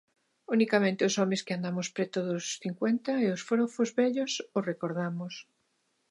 Unicamente os homes que andamos preto dos cincuenta e os forofos vellos o recordamos.